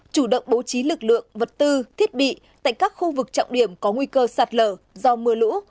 chủ động bố trí lực lượng vật tư thiết bị tại các khu vực trọng điểm có nguy cơ sạt lở do mưa lũ